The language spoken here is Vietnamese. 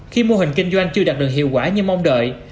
khi mô hình kinh doanh chưa đạt được hiệu quả như mong đợi